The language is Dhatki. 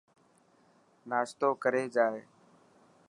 ناشتوي ڪري جائي.